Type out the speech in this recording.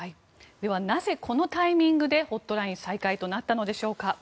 ではなぜこのタイミングでホットライン再開となったのでしょうか。